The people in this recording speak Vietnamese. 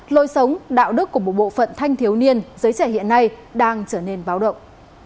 lối sống đạo đức của một bộ phận thanh thiếu niên giới trẻ hiện nay đang trở nên báo động